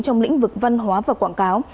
trong lĩnh vực văn hóa và quảng cáo